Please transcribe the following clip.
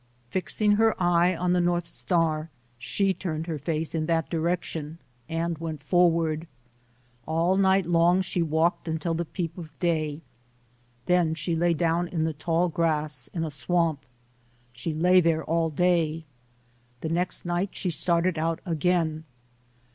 Fixing her eye ori the North Star, she turned her face in that direction and went forward. All night long she walked until the peep of day, then she lay down in the tall grass in a swamp. She lay there all day. The next night she started out again.